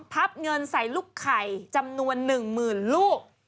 พับเงินใส่ลูกไข่จำนวนหนึ่งหมื่นลูก